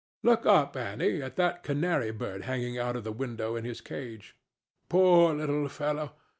Look up, Annie, at that canary bird hanging out of the window in his cage. Poor little fellow!